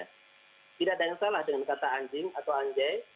tidak ada yang salah dengan kata anjing atau anjai